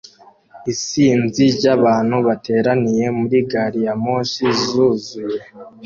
Isinzi ryabantu bateraniye muri gari ya moshi zuzuye